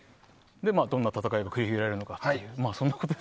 どんな戦いが繰り広げられるのかと。